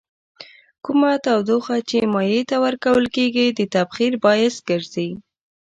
کومه تودوخه چې مایع ته ورکول کیږي د تبخیر باعث ګرځي.